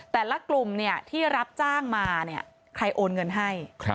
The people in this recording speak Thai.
แต่ละกลุ่มที่รับจ้างมาใครโอนเงินให้